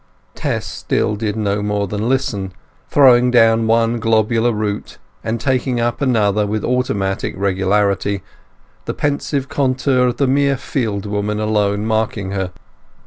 Tess still did no more than listen, throwing down one globular root and taking up another with automatic regularity, the pensive contour of the mere fieldwoman alone marking her.